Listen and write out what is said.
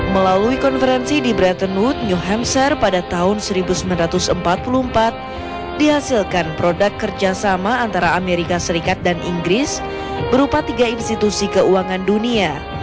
melalui konferensi di bretton wood new hamser pada tahun seribu sembilan ratus empat puluh empat dihasilkan produk kerjasama antara amerika serikat dan inggris berupa tiga institusi keuangan dunia